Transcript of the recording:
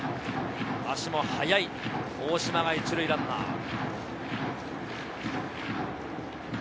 足も速い大島が１塁ランナー。